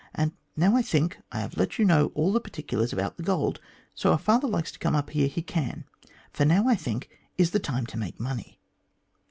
And now, I think, I have let you know all the particulars about the gold; so, if father likes to come up here, he can, for now, I think, is the time to make money."